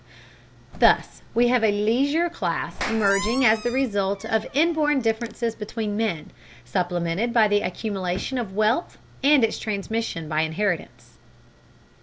Thus we have a leisure class emerging as the result of inborn differences between men, supplemented by the accumulation of wealth and its transmission by inheritance.